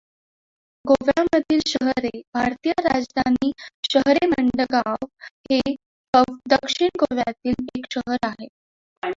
गोव्यामधील शहरे भारतीय राजधानी शहरेमडगांव हे दक्षिण गोव्यातील एक शहर आहे.